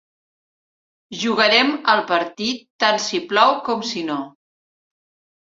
Jugarem el partit tant si plou com si no.